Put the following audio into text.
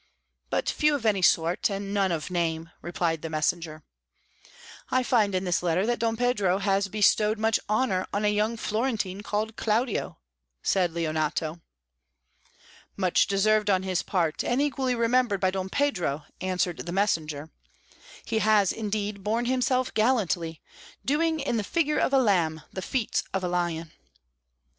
"But few of any sort, and none of name," replied the messenger. "I find in this letter that Don Pedro has bestowed much honour on a young Florentine called Claudio," said Leonato. "Much deserved on his part and equally remembered by Don Pedro," answered the messenger. "He has indeed borne himself gallantly, doing in the figure of a lamb the feats of a lion."